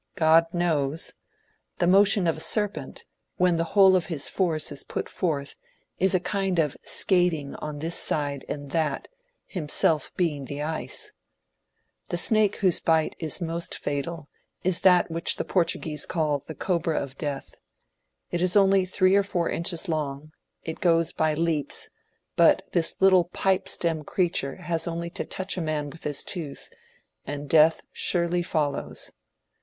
God knows! The motion of a serpent, when the whole of his force is put forth, is a kind of skating on this side and that, himself being the ice. The snake whose bite is most fatal is that which the Por tuguese call the ^* Cobra of Death." It is only three or four inches long, it goes by leaps ; but this little pipe stem crea ture has only to touch a man with his tooth and death surely follows.